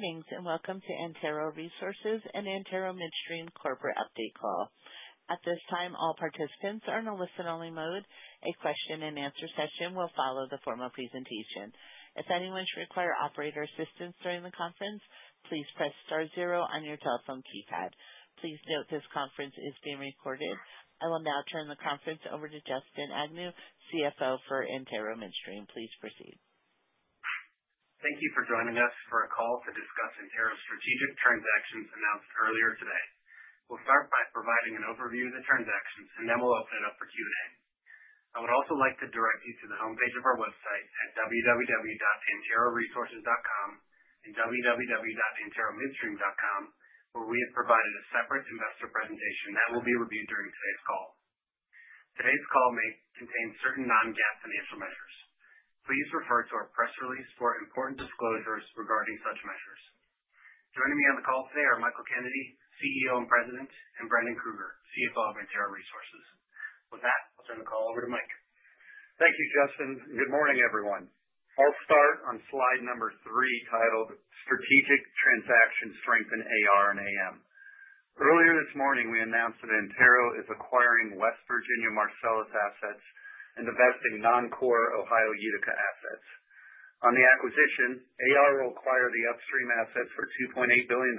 Good evening and welcome to Antero Resources and Antero Midstream Corporate Update Call. At this time, all participants are in a listen-only mode. A question-and-answer session will follow the formal presentation. If anyone should require operator assistance during the conference, please press star zero on your telephone keypad. Please note this conference is being recorded. I will now turn the conference over to Justin Agnew, CFO for Antero Midstream. Please proceed. Thank you for joining us for a call to discuss Antero's strategic transactions announced earlier today. We'll start by providing an overview of the transactions, and then we'll open it up for Q&A. I would also like to direct you to the homepage of our website at www.anteroresources.com and www.anteromidstream.com, where we have provided a separate investor presentation that will be reviewed during today's call. Today's call may contain certain non-GAAP financial measures. Please refer to our press release for important disclosures regarding such measures. Joining me on the call today are Michael Kennedy, CEO and President, and Brendan Krueger, CFO of Antero Resources. With that, I'll turn the call over to Mike. Thank you, Justin. Good morning, everyone. I'll start on slide number three titled Strategic Transaction Strength in AR and AM. Earlier this morning, we announced that Antero is acquiring West Virginia Marcellus assets and divesting non-core Ohio Utica assets. On the acquisition, AR will acquire the upstream assets for $2.8 billion,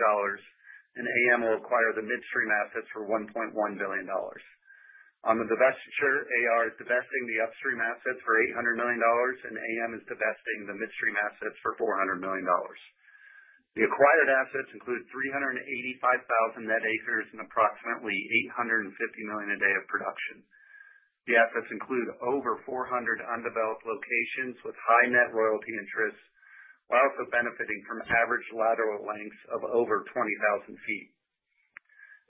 and AM will acquire the midstream assets for $1.1 billion. On the divestiture, AR is divesting the upstream assets for $800 million, and AM is divesting the midstream assets for $400 million. The acquired assets include 385,000 net acres and approximately 850 million a day of production. The assets include over 400 undeveloped locations with high net royalty interest while also benefiting from average lateral lengths of over 20,000 ft.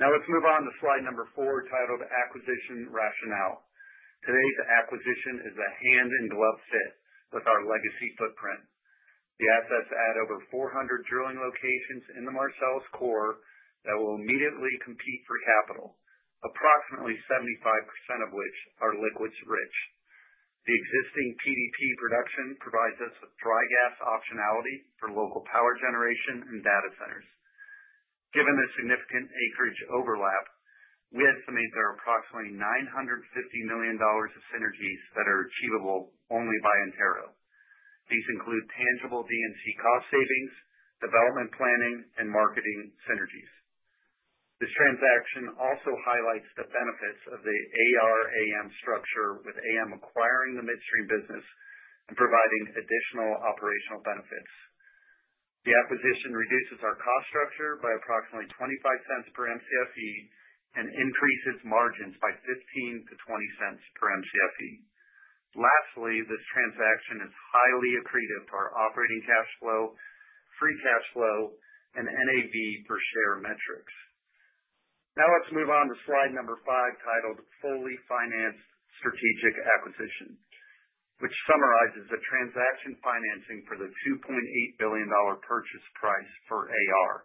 Now let's move on to slide number four titled Acquisition Rationale. Today's acquisition is a hand-in-glove fit with our legacy footprint. The assets add over 400 drilling locations in the Marcellus core that will immediately compete for capital, approximately 75% of which are liquids rich. The existing PDP production provides us with dry gas optionality for local power generation and data centers. Given the significant acreage overlap, we estimate there are approximately $950 million of synergies that are achievable only by Antero. These include tangible D&C cost savings, development planning, and marketing synergies. This transaction also highlights the benefits of the AR-AM structure with AM acquiring the midstream business and providing additional operational benefits. The acquisition reduces our cost structure by approximately $0.25 per Mcfe and increases margins by $0.15-$0.20 per Mcfe. Lastly, this transaction is highly accretive to our operating cash flow, free cash flow, and NAV per share metrics. Now let's move on to slide number five titled Fully Financed Strategic Acquisition, which summarizes the transaction financing for the $2.8 billion purchase price for AR.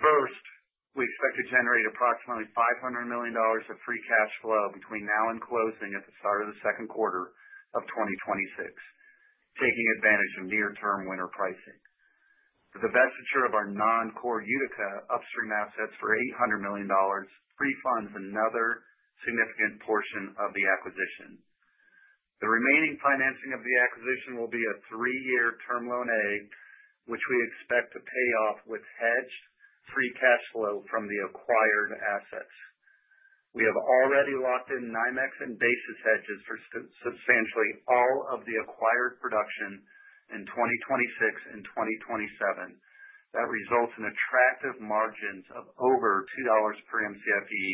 First, we expect to generate approximately $500 million of free cash flow between now and closing at the start of the second quarter of 2026, taking advantage of near-term winter pricing. The divestiture of our non-core Utica upstream assets for $800 million pre-funds another significant portion of the acquisition. The remaining financing of the acquisition will be a three-year Term Loan A, which we expect to pay off with hedged free cash flow from the acquired assets. We have already locked in NYMEX and basis hedges for substantially all of the acquired production in 2026 and 2027. That results in attractive margins of over $2 per Mcfe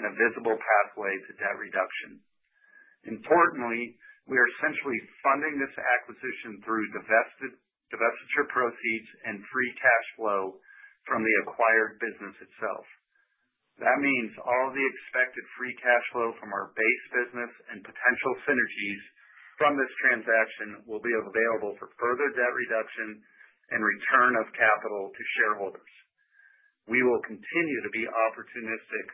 and a visible pathway to debt reduction. Importantly, we are essentially funding this acquisition through divestiture proceeds and free cash flow from the acquired business itself. That means all of the expected free cash flow from our base business and potential synergies from this transaction will be available for further debt reduction and return of capital to shareholders. We will continue to be opportunistic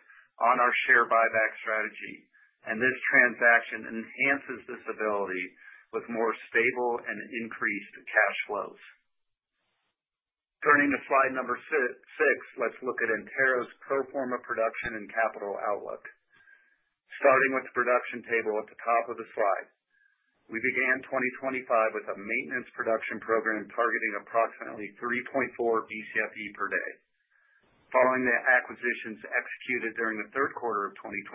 on our share buyback strategy, and this transaction enhances this ability with more stable and increased cash flows. Turning to slide number six, let's look at Antero's pro forma production and capital outlook. Starting with the production table at the top of the slide, we began 2025 with a maintenance production program targeting approximately 3.4 Bcfe per day. Following the acquisitions executed during the third quarter of 2025,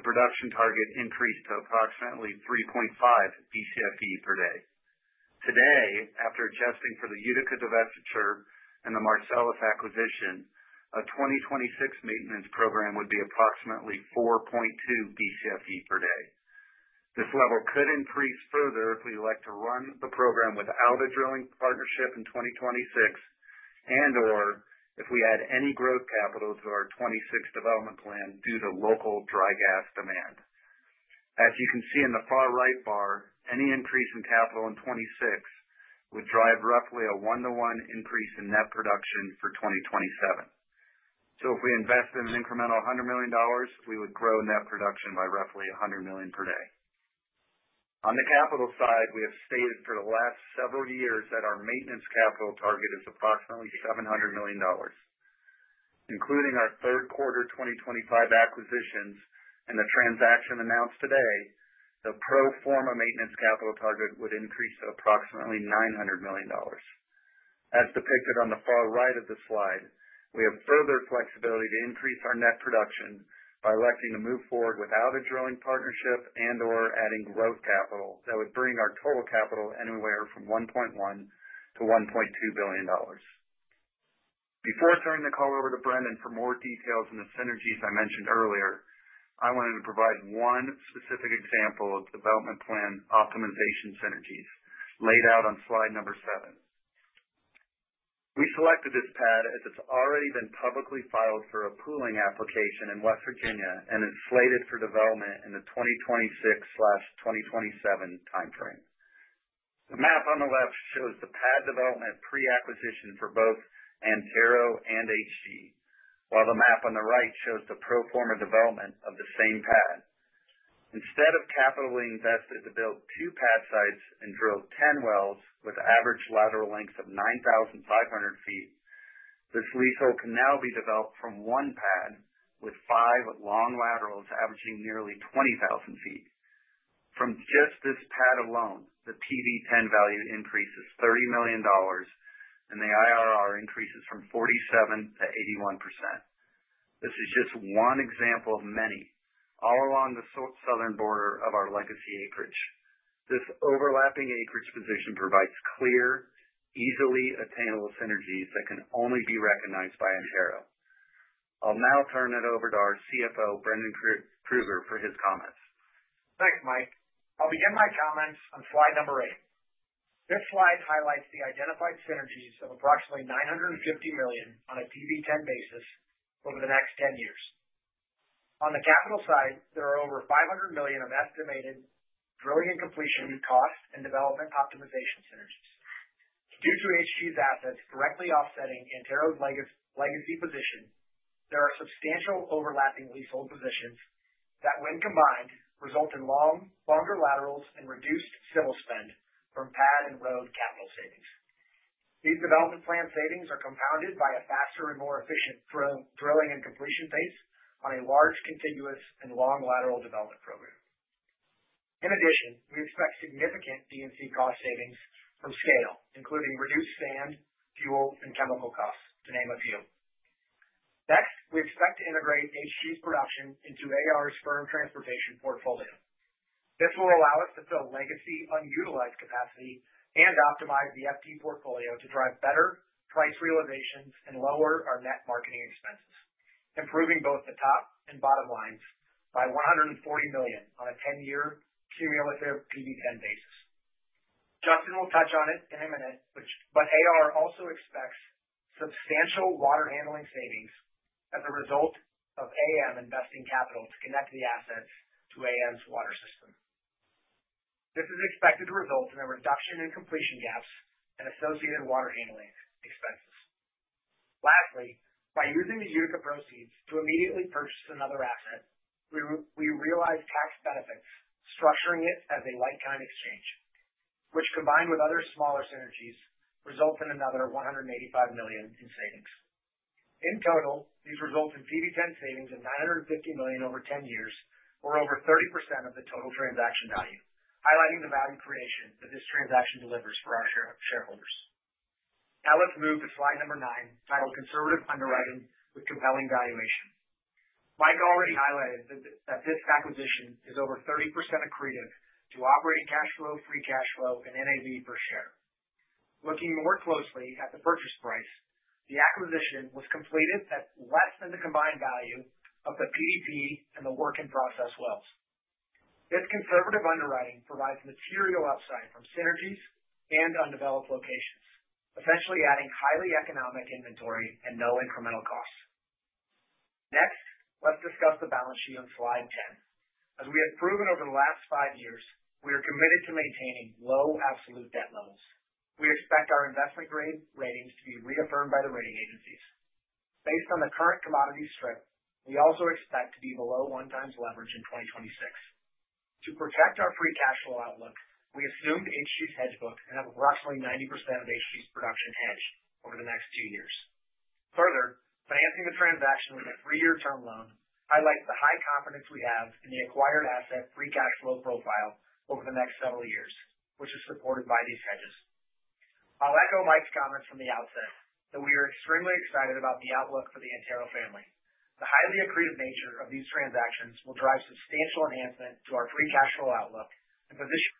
the production target increased to approximately 3.5 Bcfe per day. Today, after adjusting for the Utica divestiture and the Marcellus acquisition, a 2026 maintenance program would be approximately 4.2 Bcfe per day. This level could increase further if we elect to run the program without a drilling partnership in 2026 and/or if we add any growth capital to our 2026 development plan due to local dry gas demand. As you can see in the far right bar, any increase in capital in 2026 would drive roughly a one-to-one increase in net production for 2027. So if we invested an incremental $100 million, we would grow net production by roughly $100 million per day. On the capital side, we have stated for the last several years that our maintenance capital target is approximately $700 million. Including our third quarter 2025 acquisitions and the transaction announced today, the pro forma maintenance capital target would increase to approximately $900 million. As depicted on the far right of the slide, we have further flexibility to increase our net production by electing to move forward without a drilling partnership and/or adding growth capital that would bring our total capital anywhere from $1.1-$1.2 billion. Before turning the call over to Brendan for more details on the synergies I mentioned earlier, I wanted to provide one specific example of development plan optimization synergies laid out on slide number seven. We selected this pad as it's already been publicly filed for a pooling application in West Virginia and is slated for development in the 2026/2027 timeframe. The map on the left shows the pad development pre-acquisition for both Antero and HG, while the map on the right shows the pro forma development of the same pad. Instead of capital invested to build two pad sites and drill 10 wells with average lateral lengths of 9,500 ft, this leasehold can now be developed from one pad with five long laterals averaging nearly 20,000 ft. From just this pad alone, the PV-10 value increases $30 million, and the IRR increases from 47%-81%. This is just one example of many all along the southern border of our legacy acreage. This overlapping acreage position provides clear, easily attainable synergies that can only be recognized by Antero. I'll now turn it over to our CFO, Brendan Krueger, for his comments. Thanks, Mike. I'll begin my comments on slide number eight. This slide highlights the identified synergies of approximately $950 million on a PV-10 basis over the next 10 years. On the capital side, there are over $500 million of estimated drilling and completion cost and development optimization synergies. Due to HG's assets directly offsetting Antero's legacy position, there are substantial overlapping leasehold positions that, when combined, result in longer laterals and reduced civil spend from pad and road capital savings. These development plan savings are compounded by a faster and more efficient drilling and completion based on a large, contiguous, and long lateral development program. In addition, we expect significant D&C cost savings from scale, including reduced sand, fuel, and chemical costs, to name a few. Next, we expect to integrate HG's production into AR's firm transportation portfolio. This will allow us to fill legacy unutilized capacity and optimize the FT portfolio to drive better price realizations and lower our net marketing expenses, improving both the top and bottom lines by $140 million on a 10-year cumulative PV-10 basis. Justin will touch on it in a minute, but AR also expects substantial water handling savings as a result of AM investing capital to connect the assets to AM's water system. This is expected to result in a reduction in completion gaps and associated water handling expenses. Lastly, by using the Utica proceeds to immediately purchase another asset, we realize tax benefits structuring it as a like-kind exchange, which, combined with other smaller synergies, results in another $185 million in savings. In total, these result in PV-10 savings of $950 million over 10 years, or over 30% of the total transaction value, highlighting the value creation that this transaction delivers for our shareholders. Now let's move to slide number nine titled Conservative Underwriting with Compelling Valuation. Mike already highlighted that this acquisition is over 30% accretive to operating cash flow, free cash flow, and NAV per share. Looking more closely at the purchase price, the acquisition was completed at less than the combined value of the PDP and the work-in-process wells. This conservative underwriting provides material upside from synergies and undeveloped locations, essentially adding highly economic inventory and no incremental costs. Next, let's discuss the balance sheet on slide 10. As we have proven over the last five years, we are committed to maintaining low absolute debt levels. We expect our investment grade ratings to be reaffirmed by the rating agencies. Based on the current commodity strip, we also expect to be below one times leverage in 2026. To protect our free cash flow outlook, we assumed HG's hedge book and have approximately 90% of HG's production hedged over the next two years. Further, financing the transaction with a three-year term loan highlights the high confidence we have in the acquired asset free cash flow profile over the next several years, which is supported by these hedges. I'll echo Mike's comments from the outset that we are extremely excited about the outlook for the Antero family. The highly accretive nature of these transactions will drive substantial enhancement to our free cash flow outlook and position.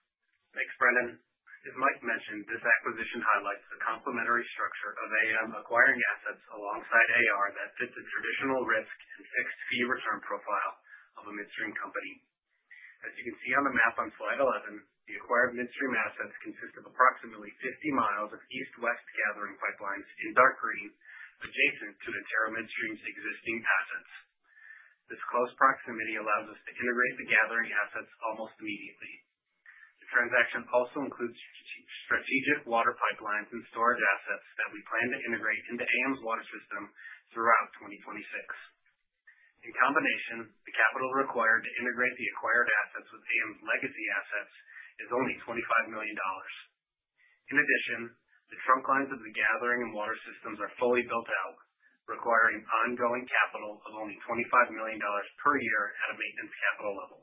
Thanks, Brendan. As Mike mentioned, this acquisition highlights the complementary structure of AM acquiring assets alongside AR that fits a traditional risk and fixed fee return profile of a midstream company. As you can see on the map on slide 11, the acquired midstream assets consist of approximately 50 mi of east-west gathering pipelines in dark green adjacent to Antero Midstream's existing assets. This close proximity allows us to integrate the gathering assets almost immediately. The transaction also includes strategic water pipelines and storage assets that we plan to integrate into AM's water system throughout 2026. In combination, the capital required to integrate the acquired assets with AM's legacy assets is only $25 million. In addition, the trunk lines of the gathering and water systems are fully built out, requiring ongoing capital of only $25 million per year at a maintenance capital level.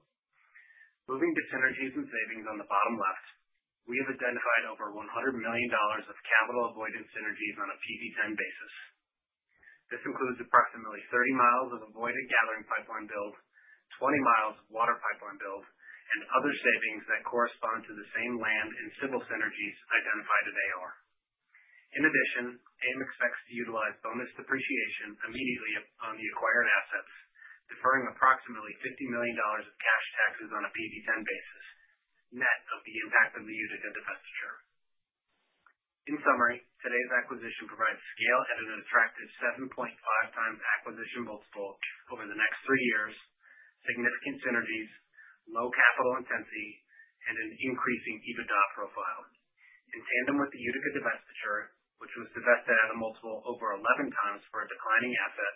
Moving to synergies and savings on the bottom left, we have identified over $100 million of capital avoidance synergies on a PV-10 basis. This includes approximately 30 mi of avoided gathering pipeline build, 20 mi of water pipeline build, and other savings that correspond to the same land and civil synergies identified at AR. In addition, AM expects to utilize bonus depreciation immediately on the acquired assets, deferring approximately $50 million of cash taxes on a PV-10 basis net of the impact of the Utica divestiture. In summary, today's acquisition provides scale at an attractive 7.5x acquisition multiple over the next three years, significant synergies, low capital intensity, and an increasing EBITDA profile. In tandem with the Utica divestiture, which was divested at a multiple over 11x for a declining asset,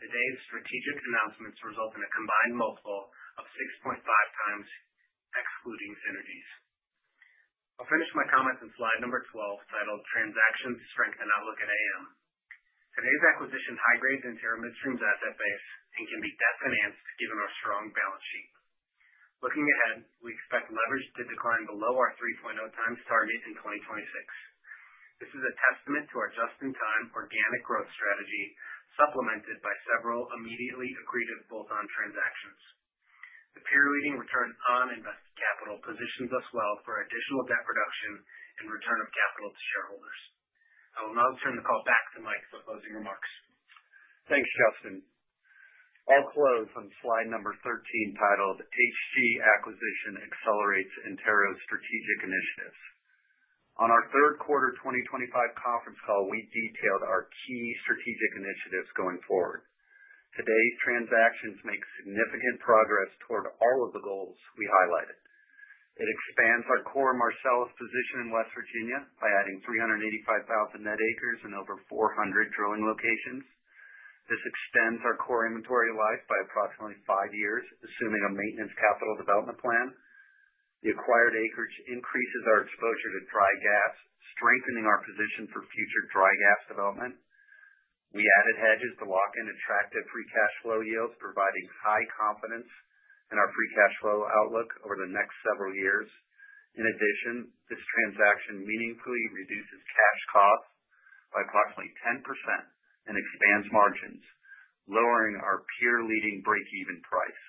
today's strategic announcements result in a combined multiple of 6.5x excluding synergies. I'll finish my comments on slide number 12 titled Transaction Strength and Outlook at AM. Today's acquisition high-grades Antero Midstream's asset base and can be debt financed given our strong balance sheet. Looking ahead, we expect leverage to decline below our 3.0x target in 2026. This is a testament to our just-in-time organic growth strategy supplemented by several immediately accretive bolt-on transactions. The peer-leading return on invested capital positions us well for additional debt reduction and return of capital to shareholders. I will now turn the call back to Mike for closing remarks. Thanks, Justin. I'll close on slide number 13 titled HG Acquisition Accelerates Antero's Strategic Initiatives. On our third quarter 2025 conference call, we detailed our key strategic initiatives going forward. Today's transactions make significant progress toward all of the goals we highlighted. It expands our core Marcellus position in West Virginia by adding 385,000 net acres and over 400 drilling locations. This extends our core inventory life by approximately five years, assuming a maintenance capital development plan. The acquired acreage increases our exposure to dry gas, strengthening our position for future dry gas development. We added hedges to lock in attractive free cash flow yields, providing high confidence in our free cash flow outlook over the next several years. In addition, this transaction meaningfully reduces cash costs by approximately 10% and expands margins, lowering our peer-leading break-even price.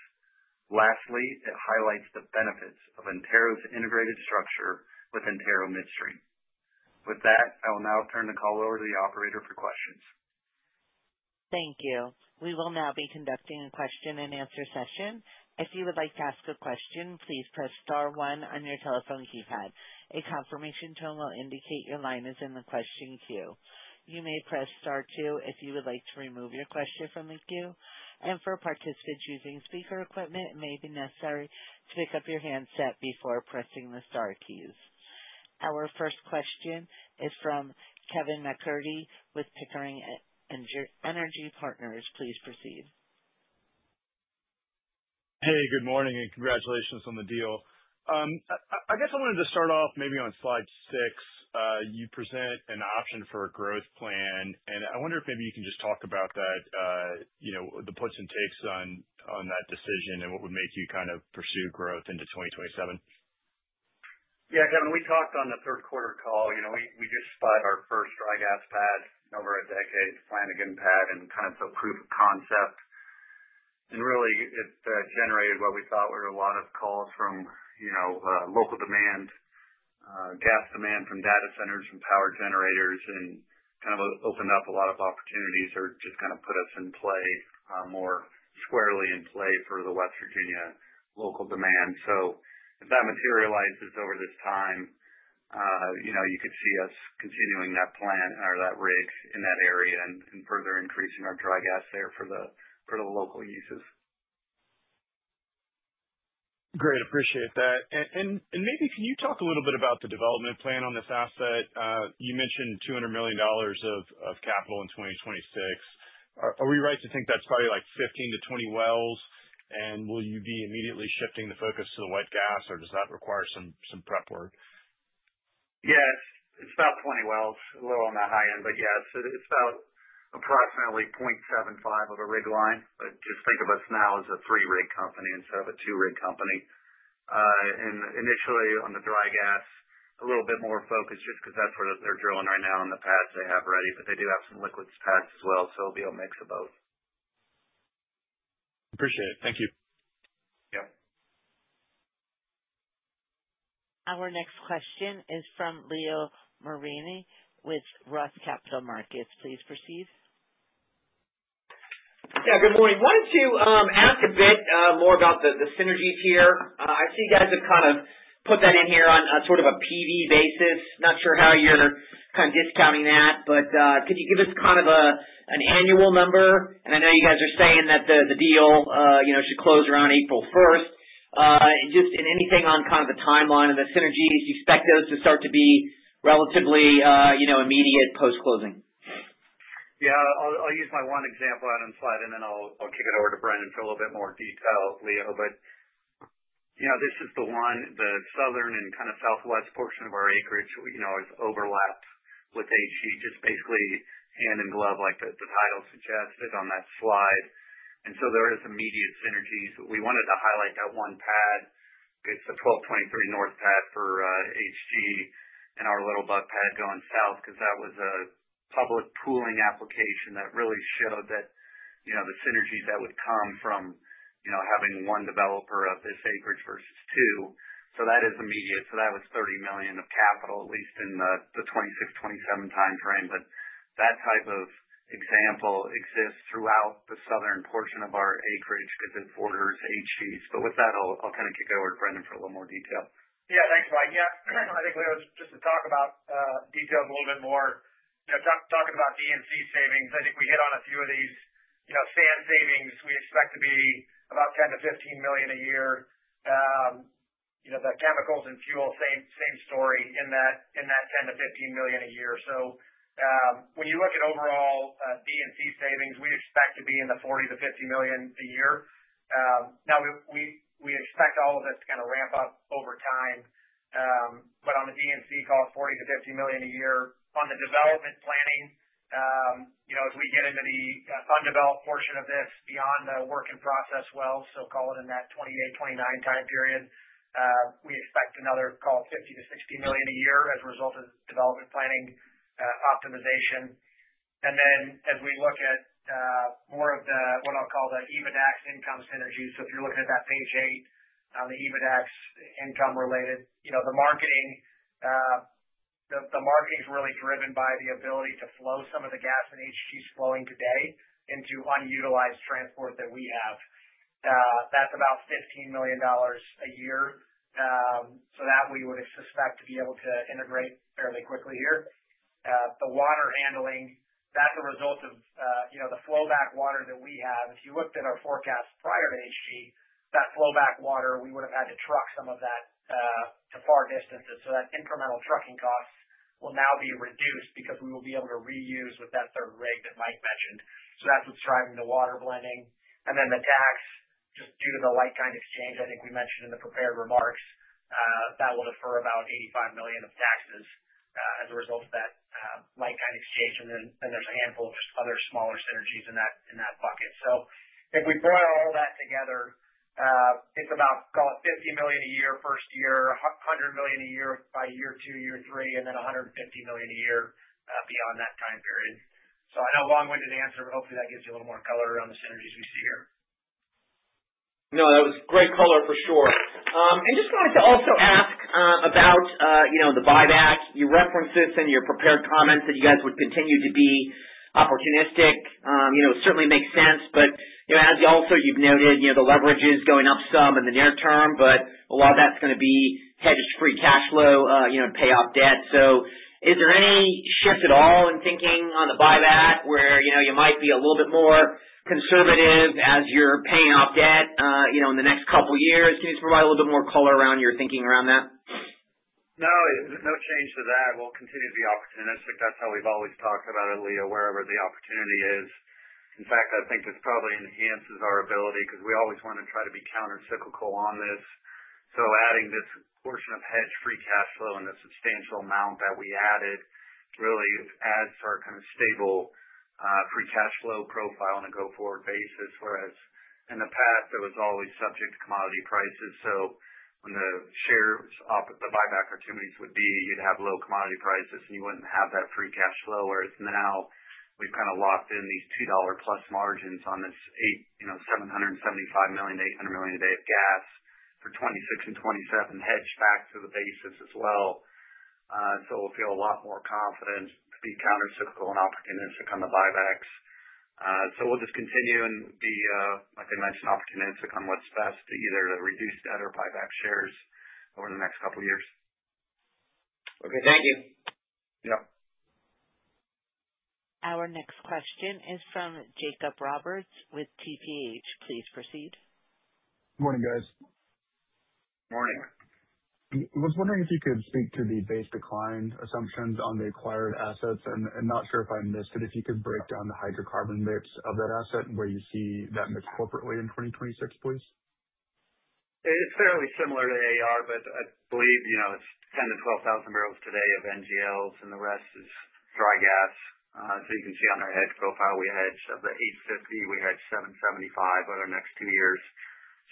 Lastly, it highlights the benefits of Antero's integrated structure with Antero Midstream. With that, I will now turn the call over to the operator for questions. Thank you. We will now be conducting a question-and-answer session. If you would like to ask a question, please press star one on your telephone keypad. A confirmation tone will indicate your line is in the question queue. You may press star two if you would like to remove your question from the queue, and for participants using speaker equipment, it may be necessary to pick up your handset before pressing the star keys. Our first question is from Kevin MacCurdy with Pickering Energy Partners. Please proceed. Hey, good morning, and congratulations on the deal. I guess I wanted to start off maybe on slide six. You present an option for a growth plan, and I wonder if maybe you can just talk about the puts and takes on that decision and what would make you kind of pursue growth into 2027? Yeah, Kevin, we talked on the third quarter call. We just bought our first dry gas pad over a decade, plan to get a pad and kind of a proof of concept. And really, it generated what we thought were a lot of calls from local demand, gas demand from data centers, from power generators, and kind of opened up a lot of opportunities or just kind of put us in play, more squarely in play for the West Virginia local demand. So if that materializes over this time, you could see us continuing that plan or that rig in that area and further increasing our dry gas there for the local uses. Great. Appreciate that. And maybe can you talk a little bit about the development plan on this asset? You mentioned $200 million of capital in 2026. Are we right to think that's probably like 15-20 wells, and will you be immediately shifting the focus to the wet gas, or does that require some prep work? Yes. It's about 20 wells, a little on the high end, but yes, it's about approximately 0.75 of a rig line. But just think of us now as a three-rig company instead of a two-rig company. And initially, on the dry gas, a little bit more focus just because that's where they're drilling right now and the pads they have ready, but they do have some liquids pads as well, so it'll be a mix of both. Appreciate it. Thank you. Yep. Our next question is from Leo Mariani with Roth Capital Partners. Please proceed. Yeah, good morning. Wanted to ask a bit more about the synergies here. I see you guys have kind of put that in here on sort of a PV basis. Not sure how you're kind of discounting that, but could you give us kind of an annual number? And I know you guys are saying that the deal should close around April 1st. Just in anything on kind of the timeline of the synergies, do you expect those to start to be relatively immediate post-closing? Yeah. I'll use my one example on the slide, and then I'll kick it over to Brendan for a little bit more detail, Leo, but this is the one, the southern and kind of southwest portion of our acreage is overlapped with HG, just basically hand in glove, like the title suggested on that slide, and so there is immediate synergies. We wanted to highlight that one pad. It's the 1223 North pad for HG and our Little Buck pad going south because that was a public pooling application that really showed that the synergies that would come from having one developer of this acreage versus two, so that is immediate, so that was $30 million of capital, at least in the 2026, 2027 timeframe, but that type of example exists throughout the southern portion of our acreage because it borders HG. But with that, I'll kind of kick it over to Brendan for a little more detail. Yeah, thanks, Mike. Yeah. I think, Leo, just to talk about details a little bit more, talking about D&C savings, I think we hit on a few of these from savings. We expect about $10 million-$15 million a year. The chemicals and fuel, same story in that $10 million-$15 million a year. So when you look at overall D&C savings, we expect to be in the $40 million-$50 million a year. Now, we expect all of this to kind of ramp up over time, but on the D&C cost, $40 million-$50 million a year. On the development planning, as we get into the undeveloped portion of this beyond the work-in-process wells, so call it in that 2028, 2029 time period, we expect another call it $50 million-$60 million a year as a result of development planning optimization. And then as we look at more of what I'll call the EBITDAX income synergies, so if you're looking at that page eight on the EBITDAX income related, the marketing is really driven by the ability to flow some of the gas and HG's flowing today into unutilized transport that we have. That's about $15 million a year. So that we would suspect to be able to integrate fairly quickly here. The water handling, that's a result of the flowback water that we have. If you looked at our forecast prior to HG, that flowback water, we would have had to truck some of that to far distances. So that incremental trucking costs will now be reduced because we will be able to reuse with that third rig that Mike mentioned. So that's what's driving the water blending. Then the tax, just due to the like-kind exchange, I think we mentioned in the prepared remarks, that will defer about $85 million of taxes as a result of that like-kind exchange. Then there's a handful of just other smaller synergies in that bucket. If we brought all that together, it's about, call it, $50 million a year, first year, $100 million a year by year two, year three, and then $150 million a year beyond that time period. I know long-winded answer, but hopefully that gives you a little more color around the synergies we see here. No, that was great color for sure. Just wanted to also ask about the buyback. You referenced this in your prepared comments that you guys would continue to be opportunistic. It certainly makes sense. But, as you've also noted, the leverage is going up some in the near term, but a lot of that's going to be hedged free cash flow and pay off debt. So, is there any shift at all in thinking on the buyback where you might be a little bit more conservative as you're paying off debt in the next couple of years? Can you provide a little bit more color around your thinking around that? No, no change to that. We'll continue to be opportunistic. That's how we've always talked about it, Leo, wherever the opportunity is. In fact, I think this probably enhances our ability because we always want to try to be countercyclical on this. So adding this portion of hedged free cash flow and the substantial amount that we added really adds to our kind of stable free cash flow profile on a go-forward basis, whereas in the past, it was always subject to commodity prices. So when the buyback opportunities would be, you'd have low commodity prices and you wouldn't have that free cash flow, whereas now we've kind of locked in these $2+ margins on this 775 million-800 million a day of gas for 2026 and 2027 hedged back to the basis as well. We'll feel a lot more confident to be countercyclical and opportunistic on the buybacks. We'll just continue and be, like I mentioned, opportunistic on what's best, either to reduce debt or buyback shares over the next couple of years. Okay. Thank you. Yep. Our next question is from Jacob Roberts with TPH. Please proceed. Morning, guys. Morning. I was wondering if you could speak to the base decline assumptions on the acquired assets, and not sure if I missed it. If you could break down the hydrocarbon mix of that asset and where you see that mix corporately in 2026, please. It's fairly similar to AR, but I believe it's 10,000-12,000 barrels today of NGLs, and the rest is dry gas. So you can see on our hedge profile, we hedged of the 850, we hedged 775 over the next two years.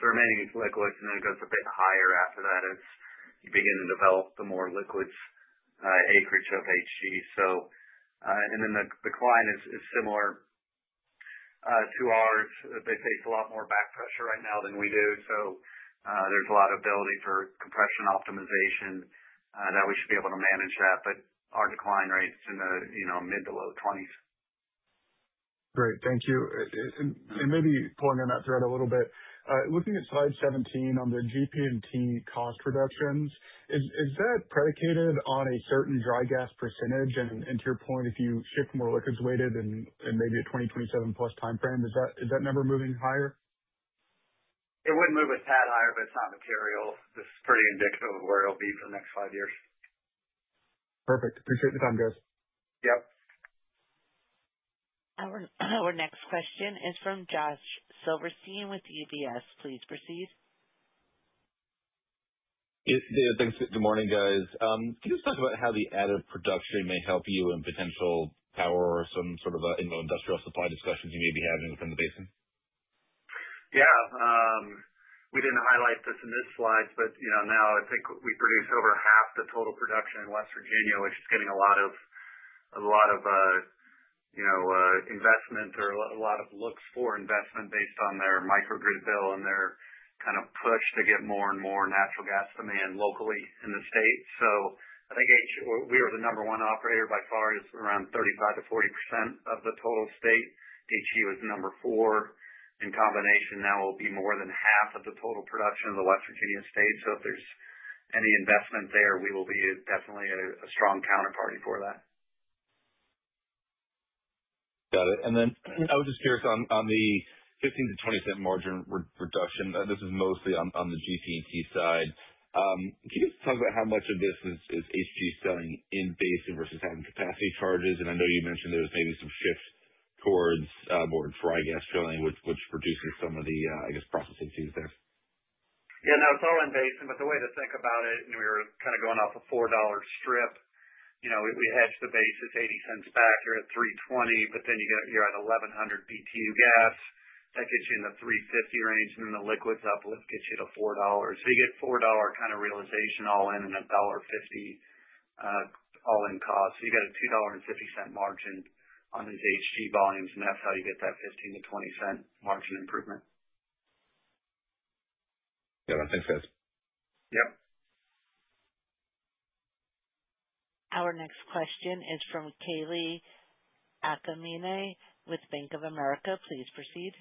So remaining is liquids, and then it goes a bit higher after that as you begin to develop the more liquids acreage of HG. And then the decline is similar to ours. They face a lot more back pressure right now than we do. So there's a lot of ability for compression optimization that we should be able to manage that. But our decline rate's in the mid to low 20s%. Great. Thank you. And maybe pulling on that thread a little bit, looking at slide 17 on the GP&T cost reductions, is that predicated on a certain dry gas percentage? And to your point, if you ship more liquids weighted in maybe a 2027+ timeframe, is that number moving higher? It wouldn't move a tad higher, but it's not material. This is pretty indicative of where it'll be for the next five years. Perfect. Appreciate the time, guys. Yep. Our next question is from Josh Silverstein with UBS. Please proceed. Hey, David. Thanks. Good morning, guys. Can you just talk about how the added production may help you in potential power or some sort of industrial supply discussions you may be having from the basin? Yeah. We didn't highlight this in this slide, but now I think we produce over half the total production in West Virginia, which is getting a lot of investment or a lot of looks for investment based on their microgrid bill and their kind of push to get more and more natural gas demand locally in the state. So I think we are the number one operator by far, around 35%-40% of the total state. HG was number four. In combination, now we'll be more than half of the total production of the West Virginia state. So if there's any investment there, we will be definitely a strong counterparty for that. Got it, and then I was just curious on the $0.15-$0.20 margin reduction. This is mostly on the GP&T side. Can you just talk about how much of this is HG selling in-basin versus having capacity charges? And I know you mentioned there's maybe some shift towards more dry gas drilling, which reduces some of the, I guess, processing fees there. Yeah. No, it's all in basin. But the way to think about it, we were kind of going off a $4 strip. We hedged the basis $0.80 back. You're at $3.20, but then you're at 1,100 BTU gas. That gets you in the $3.50 range, and then the liquids uplift gets you to $4. So you get $4 kind of realization all in and a $1.50 all-in cost. So you got a $2.50 margin on these HG volumes, and that's how you get that $0.15-$0.20 margin improvement. Got it. Thanks, guys. Yep. Our next question is from Kalei Akamine with Bank of America. Please proceed.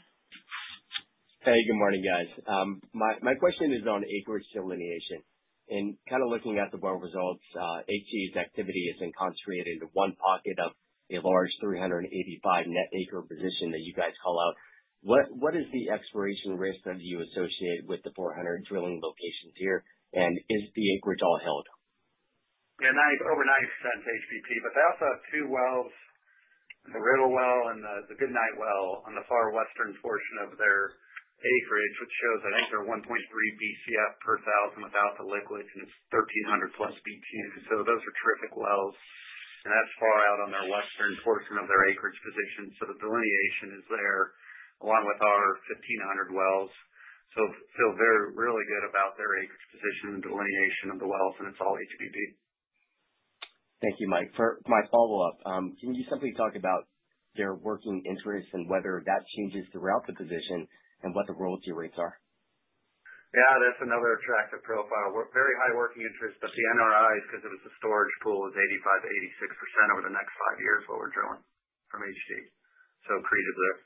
Hey, good morning, guys. My question is on acreage delineation. And kind of looking at the well results, HG's activity is concentrated into one pocket of a large 385 net acre position that you guys call out. What is the expiration risk that you associate with the 400 drilling locations here? And is the acreage all held? Yeah. Over 90% HBP, but they also have two wells, the Riddle well and the Goodnight well on the far western portion of their acreage, which shows, I think, they're 1.3 Bcf per thousand without the liquids, and it's 1,300+ BTU. So those are terrific wells. And that's far out on their western portion of their acreage position. So the delineation is there along with our 1,500 wells. So feel really good about their acreage position and delineation of the wells, and it's all HBP. Thank you, Mike. For my follow-up, can you simply talk about their working interest and whether that changes throughout the position and what the royalty rates are? Yeah. That's another attractive profile. Very high working interest, but the NRIs, because it was a storage pool, is 85%-86% over the next five years while we're drilling from HG. So creative there.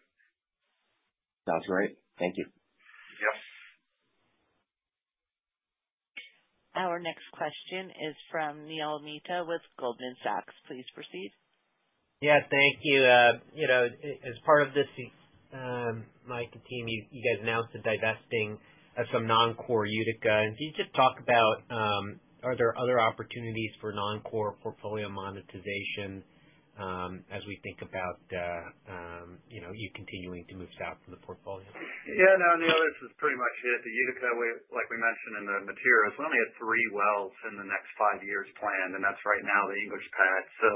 Sounds great. Thank you. Yep. Our next question is from Neil Mehta with Goldman Sachs. Please proceed. Yeah. Thank you. As part of this, Mike and team, you guys announced the divesting of some non-core Utica. And can you just talk about, are there other opportunities for non-core portfolio monetization as we think about you continuing to move south from the portfolio? Yeah. No, Neil, this is pretty much it. The Utica, like we mentioned in the material, is only at three wells in the next five years planned, and that's right now the English pad. So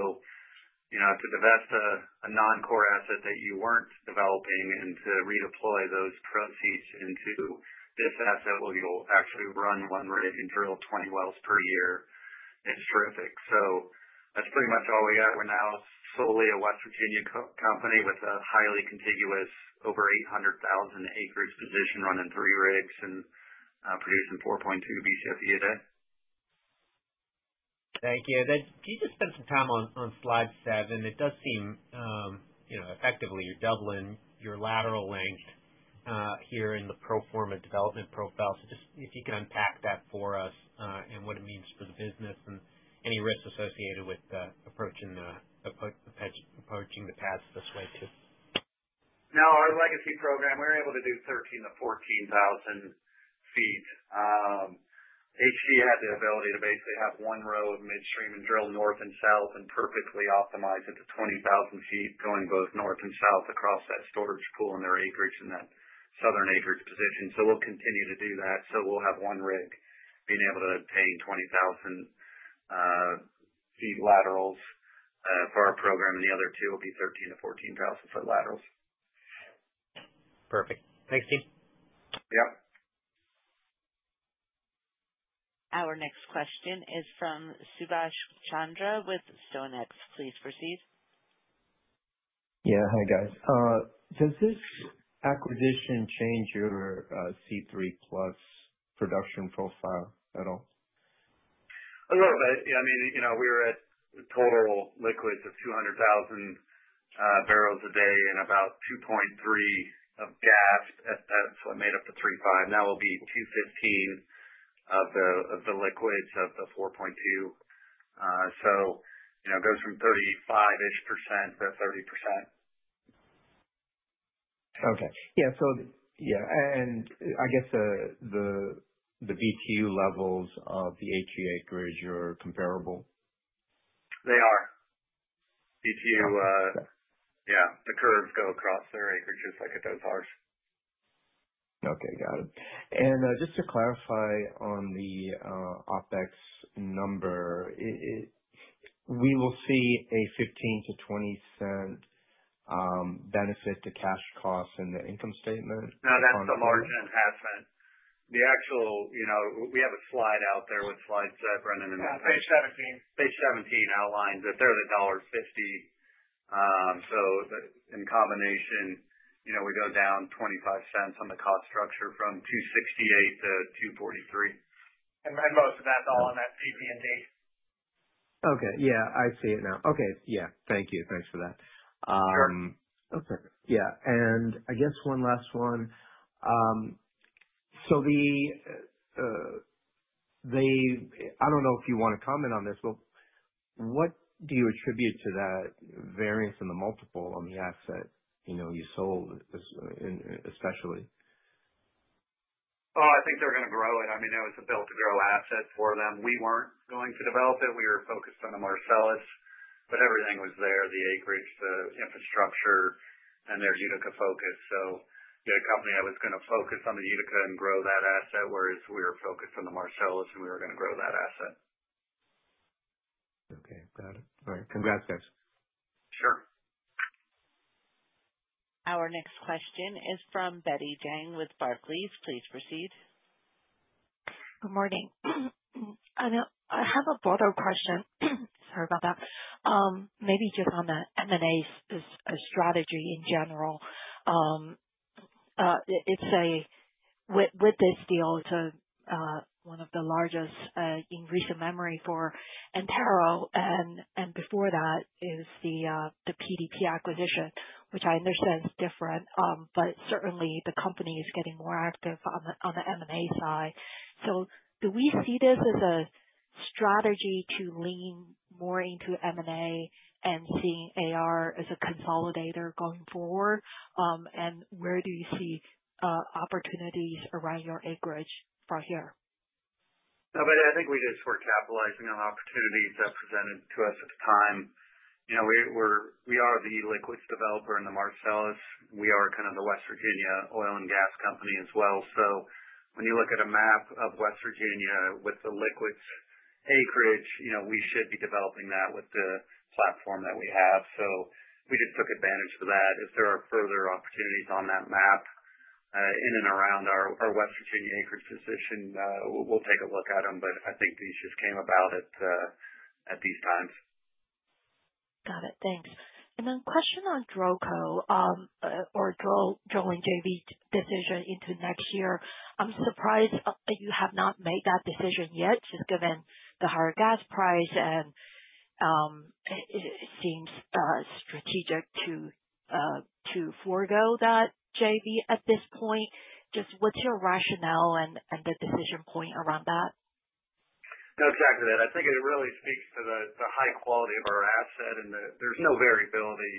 to divest a non-core asset that you weren't developing and to redeploy those proceeds into this asset where you'll actually run one rig and drill 20 wells per year, it's terrific. So that's pretty much all we got. We're now solely a West Virginia company with a highly contiguous, over 800,000 acres position running three rigs and producing 4.2 BCF a day. Thank you. Then can you just spend some time on slide seven? It does seem effectively you're doubling your lateral length here in the pro forma development profile. So just if you can unpack that for us and what it means for the business and any risks associated with approaching the pads this way too? No, our legacy program, we're able to do 13,000-14,000 ft. HG had the ability to basically have one row of midstream and drill north and south and perfectly optimize it to 20,000 ft going both north and south across that storage pool and their acreage in that southern acreage position. So we'll continue to do that. So we'll have one rig being able to obtain 20,000 ft laterals for our program, and the other two will be 13,000-14,000 ft laterals. Perfect. Thanks, team. Yep. Our next question is from [Subash Chandra with StoneX]. Please proceed. Yeah. Hi, guys. Does this acquisition change your C3+ production profile at all? A little bit. Yeah. I mean, we were at total liquids of 200,000 barrels a day and about 2.3 of gas. So it made up the 3.5. Now we'll be 215 of the liquids of the 4.2. So it goes from 35-ish% to 30%. Okay. Yeah. And I guess the BTU levels of the HG acreage, you're comparable? They are. BTU, yeah. The curves go across their acreages like it does ours. Okay. Got it. And just to clarify on the OPEX number, we will see a $0.15-$0.20 benefit to cash costs in the income statement? No, that's the margin enhancement. Actually, we have a slide out there with slide seven and then Page 17. Page 17 outlines that they're at $1.50. So in combination, we go down $0.25 on the cost structure from $2.68 to $2.43. And most of that's all in that GP&T. Okay. Yeah. I see it now. Okay. Yeah. Thank you. Thanks for that. Sure. Okay. Yeah. And I guess one last one. So I don't know if you want to comment on this, but what do you attribute to that variance in the multiple on the asset you sold, especially? Oh, I think they're going to grow it. I mean, it was a built-to-grow asset for them. We weren't going to develop it. We were focused on the Marcellus, but everything was there, the acreage, the infrastructure, and their Utica focus. So you had a company that was going to focus on the Utica and grow that asset, whereas we were focused on the Marcellus and we were going to grow that asset. Okay. Got it. All right. Congrats, guys. Sure. Our next question is from Betty Jiang with Barclays. Please proceed. Good morning. I have a broader question. Sorry about that. Maybe just on the M&A strategy in general. With this deal, it's one of the largest in recent memory for Antero. And before that is the PDP acquisition, which I understand is different, but certainly the company is getting more active on the M&A side. So do we see this as a strategy to lean more into M&A and seeing AR as a consolidator going forward? And where do you see opportunities around your acreage from here? No, but I think we just were capitalizing on opportunities that presented to us at the time. We are the liquids developer in the Marcellus. We are kind of the West Virginia oil and gas company as well. So when you look at a map of West Virginia with the liquids acreage, we should be developing that with the platform that we have. So we just took advantage of that. If there are further opportunities on that map in and around our West Virginia acreage position, we'll take a look at them. But I think these just came about at these times. Got it. Thanks. And then question on DrillCo or drilling JV decision into next year. I'm surprised you have not made that decision yet, just given the higher gas price. And it seems strategic to forgo that JV at this point. Just what's your rationale and the decision point around that? No, exactly that. I think it really speaks to the high quality of our asset, and there's no variability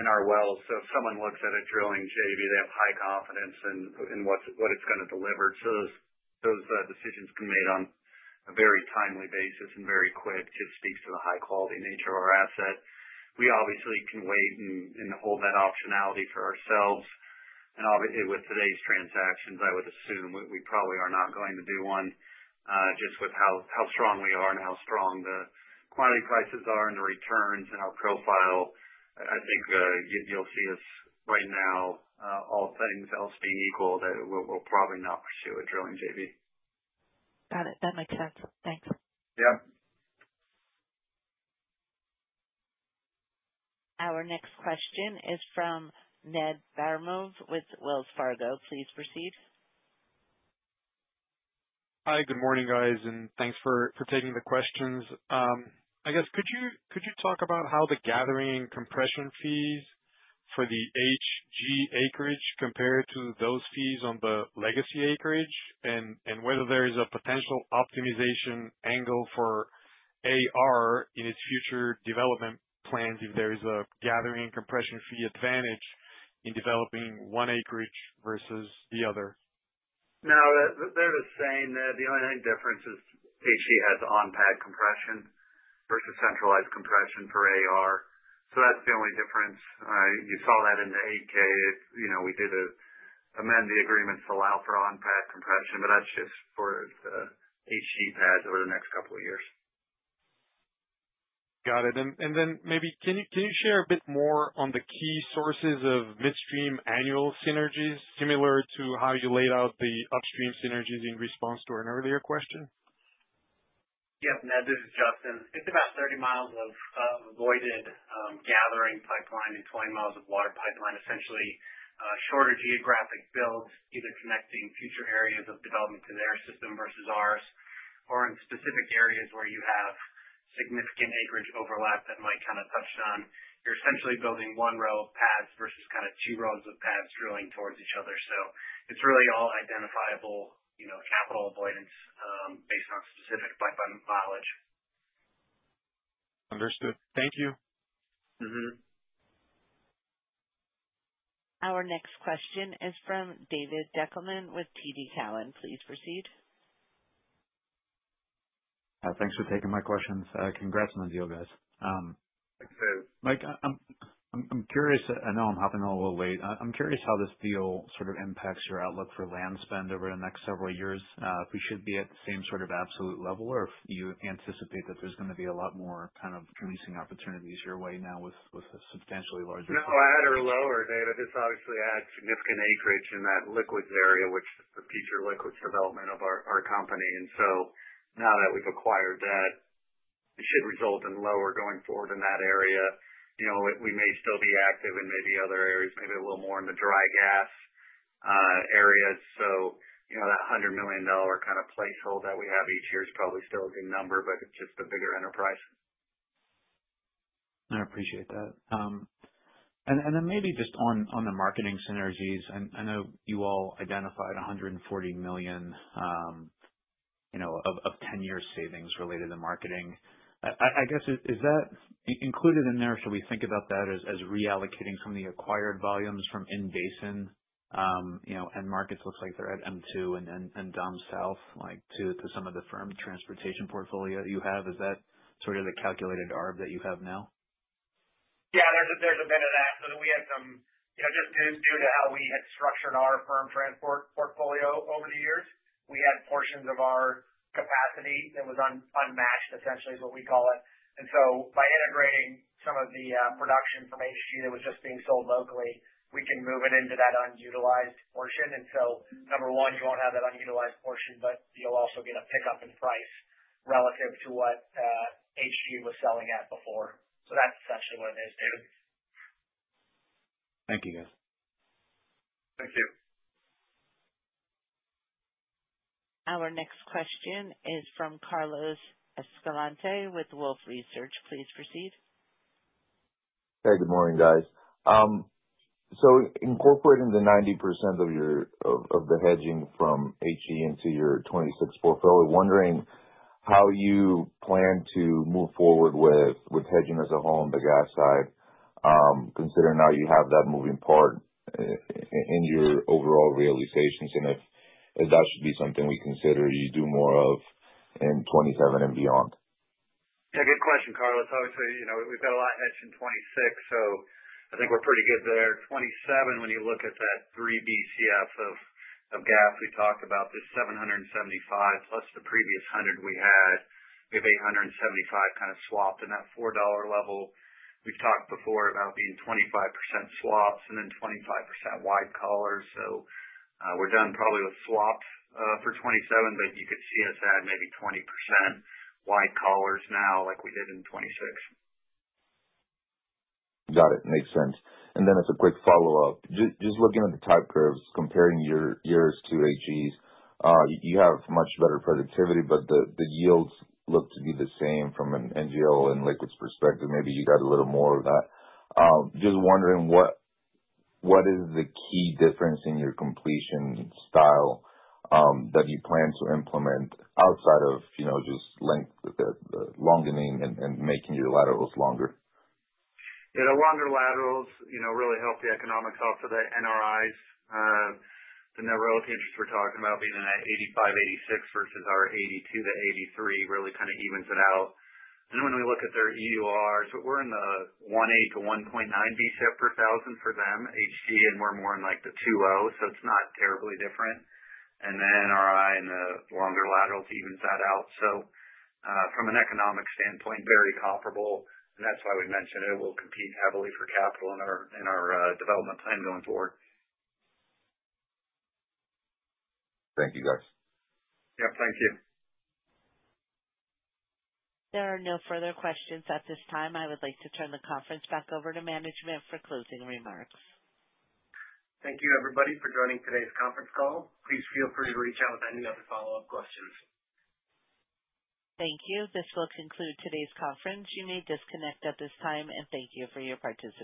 in our wells. So if someone looks at a drilling JV, they have high confidence in what it's going to deliver. So those decisions can be made on a very timely basis and very quick. It just speaks to the high-quality nature of our asset. We obviously can wait and hold that optionality for ourselves. And obviously, with today's transactions, I would assume we probably are not going to do one just with how strong we are and how strong the commodity prices are and the returns and our profile. I think you'll see us right now, all things else being equal, that we'll probably not pursue a drilling JV. Got it. That makes sense. Thanks. Yep. Our next question is from Ned Baramov with Wells Fargo. Please proceed. Hi, good morning, guys, and thanks for taking the questions. I guess, could you talk about how the gathering and compression fees for the HG acreage compare to those fees on the legacy acreage and whether there is a potential optimization angle for AR in its future development plans if there is a gathering and compression fee advantage in developing one acreage versus the other? No, they're the same. The only difference is HG has on-pad compression versus centralized compression for AR. So that's the only difference. You saw that in the 8-K. We did amend the agreements to allow for on-pad compression, but that's just for HG pads over the next couple of years. Got it. And then maybe can you share a bit more on the key sources of midstream annual synergies similar to how you laid out the upstream synergies in response to an earlier question? Yep. Ned, this is Justin. It's about 30 mi of avoided gathering pipeline and 20 mi of water pipeline. Essentially, shorter geographic builds either connecting future areas of development to their system versus ours or in specific areas where you have significant acreage overlap that might kind of touch down. You're essentially building one row of pads versus kind of two rows of pads drilling towards each other. So it's really all identifiable capital avoidance based on specific pipeline mileage. Understood. Thank you. Mm-hmm. Our next question is from David Deckelbaum with TD Cowen. Please proceed. Thanks for taking my questions. Congrats on the deal, guys. Thank you too. Mike, I'm curious. I know I'm hopping on a little late. I'm curious how this deal sort of impacts your outlook for land spend over the next several years. We should be at the same sort of absolute level, or you anticipate that there's going to be a lot more kind of leasing opportunities your way now with a substantially larger? No, I had it lower, David. This obviously adds significant acreage in that liquids area, which is the future liquids development of our company. And so now that we've acquired that, it should result in lower going forward in that area. We may still be active in maybe other areas, maybe a little more in the dry gas areas. So that $100 million kind of placeholder that we have each year is probably still a good number, but it's just a bigger enterprise. I appreciate that. And then maybe just on the marketing synergies, I know you all identified $140 million of 10-year savings related to marketing. I guess, is that included in there? Should we think about that as reallocating some of the acquired volumes from in basin? End markets looks like they're at M2 and down south to some of the firm transportation portfolio that you have. Is that sort of the calculated arb that you have now? Yeah. There's a bit of that. So we had some just due to how we had structured our firm transport portfolio over the years. We had portions of our capacity that was unmatched, essentially, is what we call it. And so by integrating some of the production from HG that was just being sold locally, we can move it into that unutilized portion. And so number one, you won't have that unutilized portion, but you'll also get a pickup in price relative to what HG was selling at before. So that's essentially what it is, David. Thank you, guys. Thank you. Our next question is from Carlos Escalante with Wolfe Research. Please proceed. Hey, good morning, guys. So, incorporating the 90% of the hedging from HG into your 2026 portfolio, wondering how you plan to move forward with hedging as a whole on the gas side, considering now you have that moving part in your overall realizations. And if that should be something we consider you do more of in 2027 and beyond. Yeah. Good question, Carlos. Obviously, we've got a lot hedged in 2026, so I think we're pretty good there. 2027, when you look at that 3 BCF of gas we talked about, there's 775 plus the previous 100 we had. We have 875 kind of swapped in that $4 level. We've talked before about being 25% swaps and then 25% wide collars. So we're done probably with swaps for 2027, but you could see us add maybe 20% wide collars now like we did in 2026. Got it. Makes sense. And then as a quick follow-up, just looking at the type curves, comparing yours to HG's, you have much better productivity, but the yields look to be the same from an NGL and liquids perspective. Maybe you got a little more of that. Just wondering, what is the key difference in your completion style that you plan to implement outside of just lengthening and making your laterals longer? Yeah. The longer laterals really help the economics off of the NRIs. The net royalty interest we're talking about being in that 85%-86% versus our 82%-83% really kind of evens it out. And then when we look at their EURs, we're in the 1.8-1.9 BCF per thousand for them, HG, and we're more in the 2.0, so it's not terribly different. And then NRI and the longer laterals evens that out. So from an economic standpoint, very comparable. And that's why we mentioned it will compete heavily for capital in our development plan going forward. Thank you, guys. Yep. Thank you. There are no further questions at this time. I would like to turn the conference back over to management for closing remarks. Thank you, everybody, for joining today's conference call. Please feel free to reach out with any other follow-up questions. Thank you. This will conclude today's conference. You may disconnect at this time, and thank you for your participation.